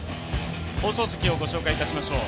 放送席をご紹介いたしましょう。